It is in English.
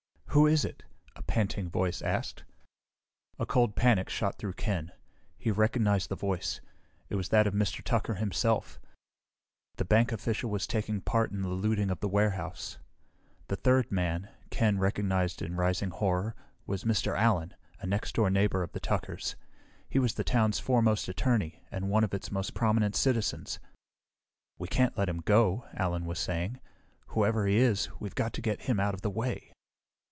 "Who is it?" a panting voice asked. A cold panic shot through Ken. He recognized the voice. It was that of Mr. Tucker himself. The bank official was taking part in the looting of the warehouse. The third man, Ken recognized in rising horror, was Mr. Allen, a next door neighbor of the Tuckers. He was the town's foremost attorney, and one of its most prominent citizens. "We can't let him go," Allen was saying. "Whoever he is, we've got to get him out of the way."